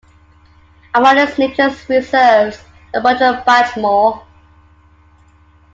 Among its nature reserves are the Brombachmoor.